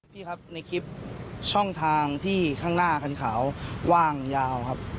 พี่ครับในคลิปช่องทางที่ข้างหน้าคันขาวว่างยาวครับ